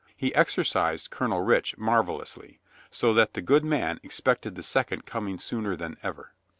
He exercised Colonel Rich marvelously, so that the good man expected the second coming sooner than ever.